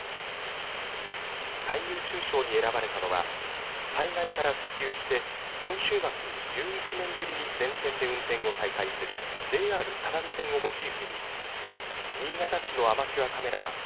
最優秀賞に選ばれたのは災害から復旧して今週末に１１年ぶりに全線で運転を再開するＪＲ只見線をモチーフに新潟市のアマチュアカメラマン